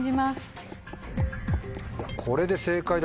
これで。